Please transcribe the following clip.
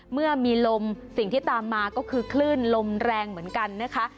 เมื่อมีลมสิ่งที่ตามมาก็คือคลื่นลมแรงเหมือนกันนะคะ